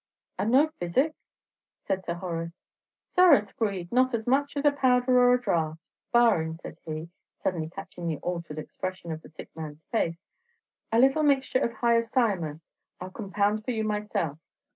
"And no physic?" asked Sir Horace. "Sorra screed! not as much as a powder or a draught, barrin'," said he, suddenly catching the altered expression of the sick man's face, "a little mixture of hyoscyamus I' ll compound for you myself.